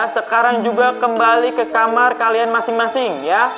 sekarang juga kembali ke kamar kalian masing masing